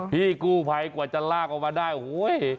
พี่กู้ภัยกว่าจะลากออกมาได้เฮ้ย